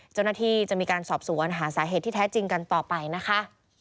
เจ้าหน้าที่จะมีการสอบสวนหาสาเหตุที่แท้จริงกันต่อไปนะคะ